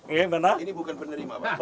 ini bukan penerima pak